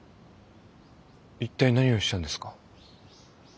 一体何をしたんですか？